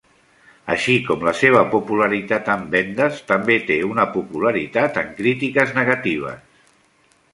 Així com la seva popularitat en vendes, també té una popularitat en crítiques negatives.